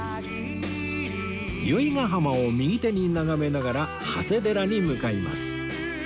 由比ヶ浜を右手に眺めながら長谷寺に向かいます